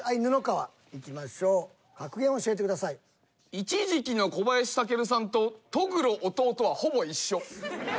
一時期の小林尊さんと戸愚呂弟はほぼ一緒。